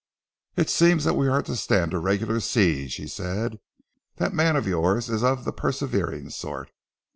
"It seems that we are to stand a regular siege," he said. "That man of yours is of the persevering sort."